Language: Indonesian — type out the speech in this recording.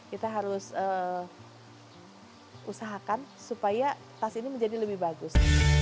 kita harus usahakan supaya tas ini menjadi lebih bagus